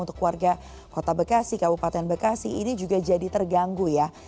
untuk warga kota bekasi kabupaten bekasi ini juga jadi terganggu ya